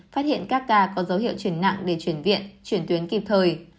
phát hiện các ca có dấu hiệu chuyển nặng để chuyển viện chuyển tuyến kịp thời